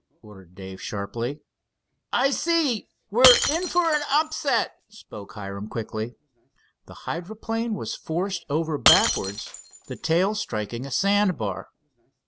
ordered Dave sharply. "I see we're in for an upset," spoke Hiram quickly. The hydroplane was forced over backwards, the tail striking a sand bar.